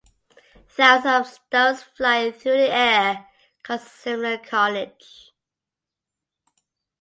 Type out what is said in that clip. Thousands of stones flying through the air cause similar carnage.